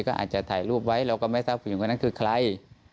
ก็อาจจะถ่ายรูปไว้เราก็ไม่ทราบผู้หญิงคนนั้นคือใคร